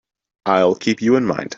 I'll keep you in mind.